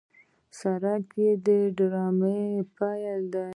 سړک یې ډامبر کړی دی.